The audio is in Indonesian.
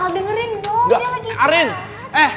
dengar dia sedang beristirahat